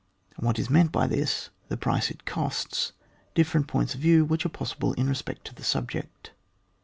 — ^What is meant by this — The price it costs — Different points of yiew which are possible in respect to the subject.